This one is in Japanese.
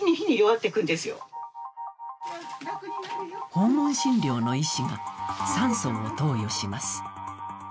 訪問診療の医師が酸素を投与します。